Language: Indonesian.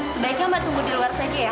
sebaiknya mbak tunggu di luar saja ya